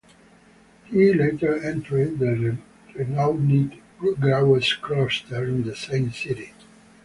He later entered the renowned Graues Kloster in the same city.